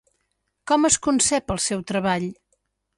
Com es concep el seu treball?